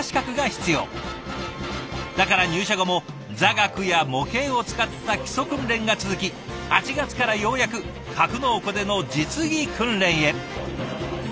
だから入社後も座学や模型を使った基礎訓練が続き８月からようやく格納庫での実技訓練へ。